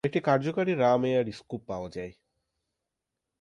একটি কার্যকরী ram air scoop পাওয়া যায়।